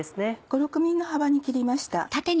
５６ｍｍの幅に切りました。